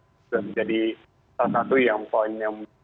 sudah menjadi salah satu yang poin yang